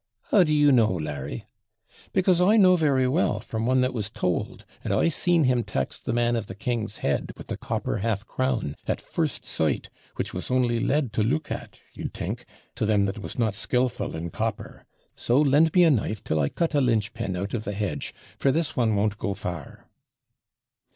'How do you know, Larry?' 'Because I know very well, from one that was tould, and I SEEN him tax the man of the King's Head, with a copper half crown, at first sight, which was only lead to look at, you'd think, to them that was not skilful in copper. So lend me a knife, till I cut a linch pin out of the hedge, for this one won't go far.'